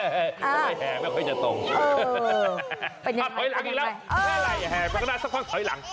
เฮ้ยแหไม่ค่อยจะตรงอ่าวอย่าแหไปก็ได้สักพันทย์ถอยหลัง